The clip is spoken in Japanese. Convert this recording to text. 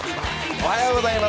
おはようございます。